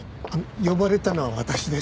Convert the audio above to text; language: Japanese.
呼ばれたのは私ですから。